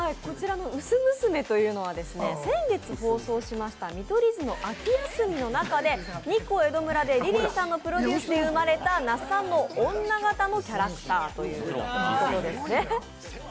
薄娘というのは、先月放送しました「見取り図の秋休み」の中で、日光江戸村でリリーさんのプロデュースで呼ばれた那須さんの女形のキャラクターということですね。